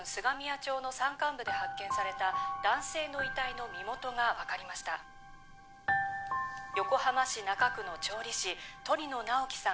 町の山間部で発見された男性の遺体の身元が分かりました横浜市中区の調理師鳥野直木さん